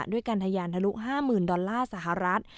ด้วยการทะยานทะลุ๕๐๐๐ดอลลาร์สหรัฐ